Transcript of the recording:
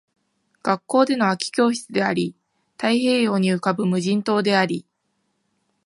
学校での空き教室であり、太平洋に浮ぶ無人島であり